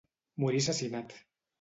Morí assassinat.